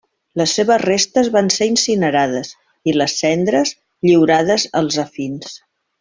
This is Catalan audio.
Les seves restes van ser incinerades, i les cendres lliurades als afins.